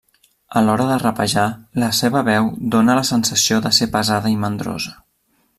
A l'hora de rapejar, la seva veu dóna la sensació de ser pesada i mandrosa.